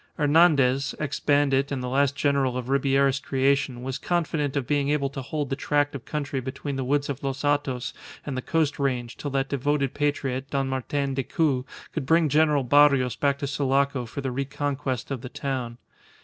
Hernandez, ex bandit and the last general of Ribierist creation, was confident of being able to hold the tract of country between the woods of Los Hatos and the coast range till that devoted patriot, Don Martin Decoud, could bring General Barrios back to Sulaco for the reconquest of the town.